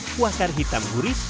kuah kari hitam gurih